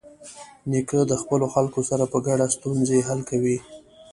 نیکه د خپلو خلکو سره په ګډه ستونزې حل کوي.